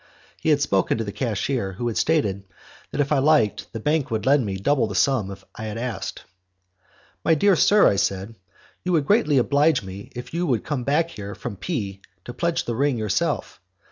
He had spoken to the cashier, who had stated that if I liked the bank would lend double the sum I had asked. "My dear sir," I said, "you would greatly oblige me if you would come back here from P to pledge the ring yourself.